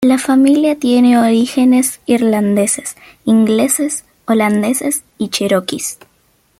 La familia tiene orígenes irlandeses, ingleses, holandeses y cheroquis.